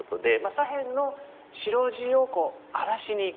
左辺の白地を荒らしにいく。